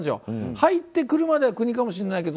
入ってくるまでは国かもしれないけど